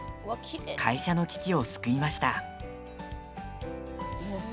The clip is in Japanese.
会社の危機を救いました。